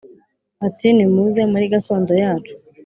bati “nimuze muri gakondo yacu